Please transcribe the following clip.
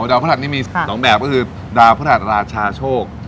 ดาวพระหัสนี้มี๒แบบก็คือดาวพระราชาโชค